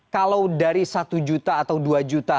kalau dari satu juta atau dua juta